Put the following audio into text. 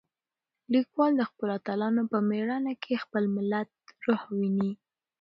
لیکوال د خپلو اتلانو په مېړانه کې د خپل ملت روح وینه.